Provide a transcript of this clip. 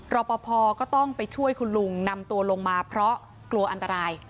รอปภก็ต้องไปช่วยคุณลุงนำตัวลงมาเพราะกลัวอันตราย